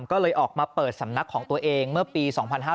ก็เลยออกมาเปิดสำนักของตัวเองเมื่อปี๒๕๕๙